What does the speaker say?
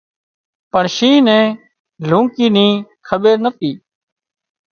پڻ شينهن نين لونڪي ني کٻير نتي